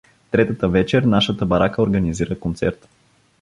Третата вечер нашата барака организира концерт.